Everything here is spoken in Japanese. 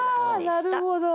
なるほど。